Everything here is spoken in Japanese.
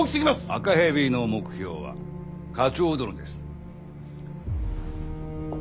赤蛇の目標は課長殿です。